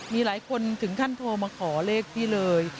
มีหลายคนถึงขั้นโทรมาขอเลขพี่เลย